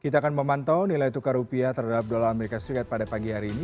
kita akan memantau nilai tukar rupiah terhadap dolar amerika serikat pada pagi hari ini